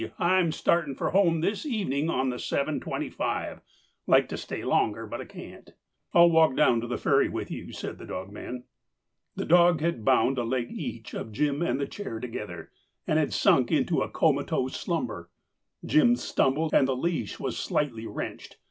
I'm starting for home this evening on the 7.25. Like to stay longer, but I can't." "I'll walk down to the ferry with you," said the dogman. The dog had bound a leg each of Jim and the chair together, and had sunk into a comatose slumber. Jim stumbled, and the leash was slightly wrenched.